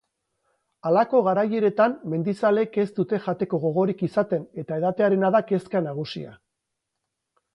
Halako garaieretan mendizaleek ez dute jateko gogorik izaten eta edatearena da kezka nagusia.